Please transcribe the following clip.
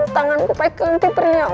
tangan ku pakai kenti periak uangnya lagi